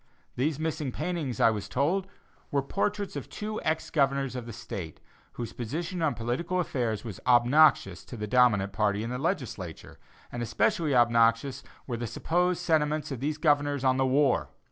These missing paintings, I was told, were portraits of two ex Governors of the State, whose position on political affairs was obnoxious to the dominant party in the Legislature; and especially obnoxious were the supposed sentiments of these governors on the war.